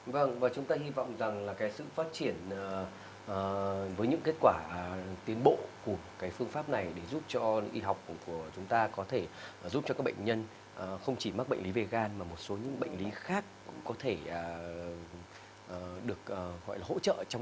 vâng và chúng ta hy vọng rằng là cái sự phát triển với những kết quả tiến bộ của cái phương pháp này để giúp cho y học của chúng ta có thể giúp cho các bệnh nhân không chỉ mắc bệnh lý về gan mà một số những bệnh lý khác cũng có thể được gọi là hỗ trợ trong